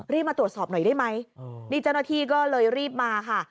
มาตรวจสอบหน่อยได้ไหมนี่เจ้าหน้าที่ก็เลยรีบมาค่ะ